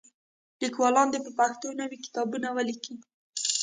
لیکوالان دې په پښتو نوي کتابونه ولیکي.